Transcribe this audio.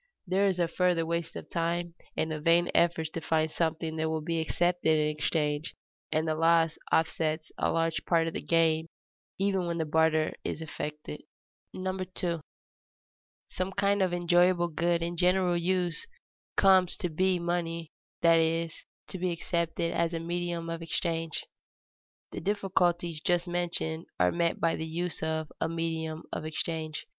There is a further waste of time and of vain efforts to find something that will be accepted in exchange, and the loss offsets a large part of the gain even when the barter is effected. [Sidenote: Money is found to serve as a general medium of exchange] 2. Some kind of enjoyable good in general use comes to be money, that is, to be accepted as a medium of exchange. The difficulties just mentioned are met by the use of a medium of exchange.